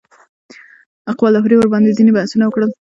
اقبال لاهوري ورباندې ځینې بحثونه وکړل.